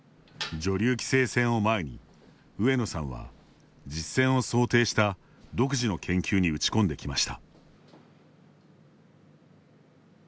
女流棋聖戦を前に上野さんは実戦を想定した独自の研究に打ち込んできました。